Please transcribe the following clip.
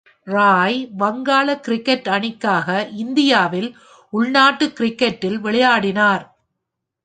ராய் வங்காள கிரிக்கெட் அணிக்காக இந்தியாவில் உள்நாட்டு கிரிக்கெட்டில் விளையாடினார்.